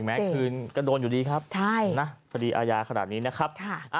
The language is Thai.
ถึงแม้คืนก็โดนอยู่ดีครับคดีอาญาขนาดนี้นะครับ